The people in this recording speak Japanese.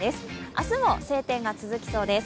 明日も晴天が続きそうです。